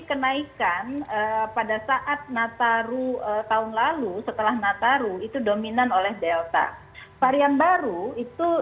kenaikan pada saat nataru tahun lalu setelah nataru itu dominan oleh delta varian baru itu